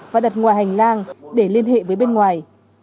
và đặt ngoài hành lang để liên hệ với bên ngoài